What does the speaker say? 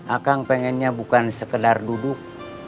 akang pengennya bukan sekedar duduk